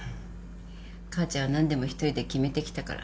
母ちゃんは何でも一人で決めてきたから。